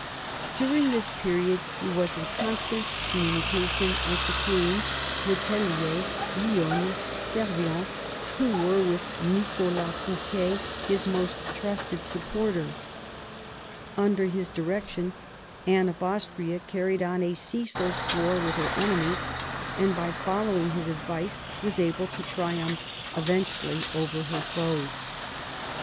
During this period he was in constant communication with the queen, le Tellier, Lionne, Servien, who were, with Nicholas Fouquet, his most trusted supporters. Under his direction Anne of Austria carried on a ceaseless war with her enemies, and by following his advice was able to triumph eventually over her foes.